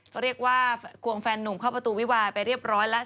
ก็เรียกว่าควงแฟนนุ่มเข้าประตูวิวาไปเรียบร้อยแล้ว